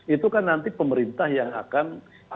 itu kan nanti pemerintah yang akan